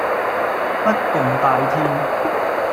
不共戴天